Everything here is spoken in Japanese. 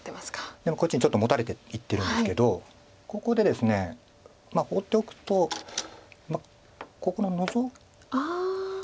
でもこっちにちょっとモタれていってるんですけどここでですね放っておくとここのノゾキが気になります。